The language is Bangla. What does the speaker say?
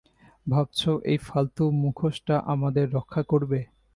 ভাবছো এই ফালতু মুখোশটা আমাদের রক্ষা করবে?